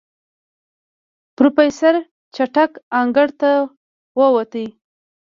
پروفيسر چټک انګړ ته ووت.